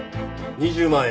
２０万円。